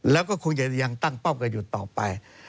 แล้วก็คงจะยังตั้งเป้ากันอยู่ต่อไป